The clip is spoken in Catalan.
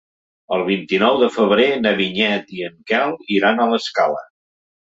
El vint-i-nou de febrer na Vinyet i en Quel iran a l'Escala.